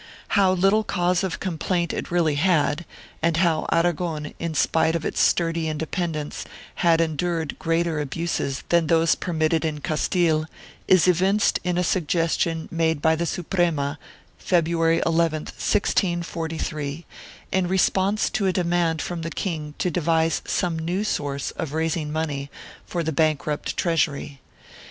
How little cause of complaint it really had, and how Aragon, in spite of its sturdy independence, had endured greater abuses than those permitted in Castile, is evinced in a suggestion made by the Suprema, February 11, 1643, in response to a demand from the king to devise some new source of raising money for the bank rupt treasury.